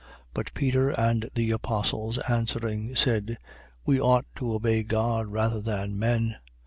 5:29. But Peter and the apostles answering, said: We ought to obey God rather than men.